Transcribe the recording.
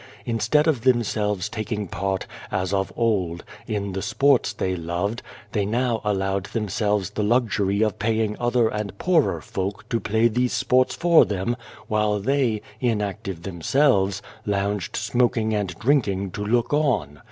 Instead of themselves taking part, as of old, in the sports they loved, they now allowed them selves the luxury of paying other and poorer folk to play these sports for them, while they, inactive themselves, lounged smoking and drinking, to look on.